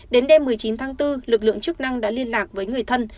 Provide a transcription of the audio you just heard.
đến đêm một mươi chín tháng bốn lực lượng chức năng đã liên lạc với người thân